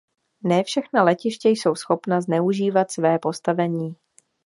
Ne všechna letiště jsou schopna zneužívat své postavení.